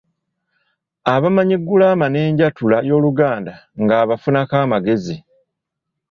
Abamanyi ggulama n'enjatula y'Oluganda ng’abafunako amagezi.